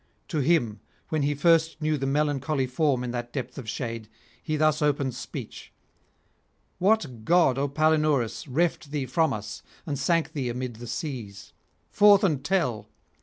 To him, when he first knew the melancholy form in that depth of shade, he thus opens speech: 'What god, O Palinurus, reft thee from us and sank thee amid the seas? forth and tell.